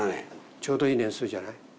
ちょうどいい年数じゃない？